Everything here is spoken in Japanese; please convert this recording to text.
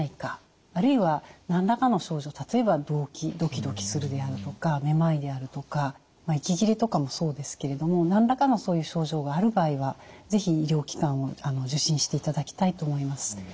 例えば動悸ドキドキするであるとかめまいであるとか息切れとかもそうですけれども何らかのそういう症状がある場合は是非医療機関を受診していただきたいと思います。